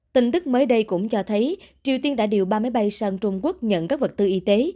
tin tức mới đây cũng cho thấy triều tiên đã điều ba máy bay sang trung quốc nhận các vật tư y tế